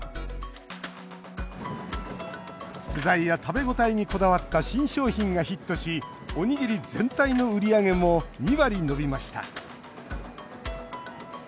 具材や食べ応えにこだわった新商品がヒットしおにぎり全体の売り上げも２割伸びました。